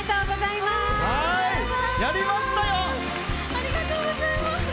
ありがとうございます。